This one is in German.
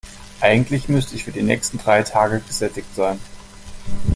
Eigentlich müsste ich für die nächsten drei Tage gesättigt sein.